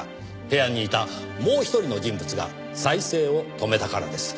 部屋にいたもう一人の人物が再生を止めたからです。